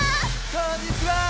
こんにちは！